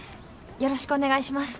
よろしくお願いします。